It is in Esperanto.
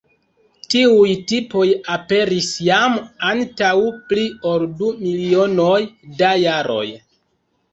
Tiuj tipoj aperis jam antaŭ pli ol du milionoj da jaroj.